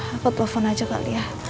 aku telepon aja kali ya